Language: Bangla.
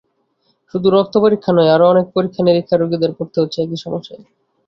শুধু রক্ত পরীক্ষা নয়, আরও অনেক পরীক্ষা-নিরীক্ষায় রোগীদের পড়তে হচ্ছে একই সমস্যায়।